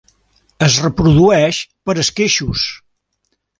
Es reprodueix per esqueixos.